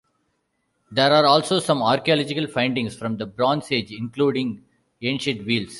There are also some archaeological findings from the Bronze Age, including ancient wheels.